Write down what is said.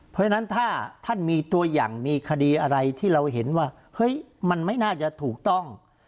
เพราะฉะนั้นถ้าท่านมีตัวอย่างมีคดีอะไรที่เราเห็นว่าเฮ้ยมันไม่น่าจะถูกต้อง